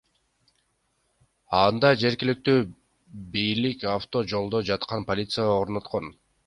Анда жергиликтүү бийлик авто жолдо жаткан полиция орноткон.